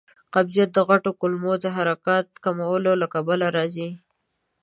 قبضیت د غټو کولمو د حرکاتو کموالي له کبله راځي.